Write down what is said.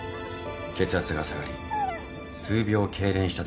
血圧が下がり数秒けいれんしたとのことです。